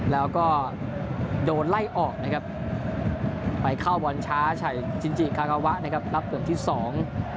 แล้วก็โดนไล่ออกนะครับไปเข้าบอลช้าชัยจินจิคากาวะนะครับรับเกือบที่สอง